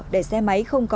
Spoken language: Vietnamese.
để xe máy không có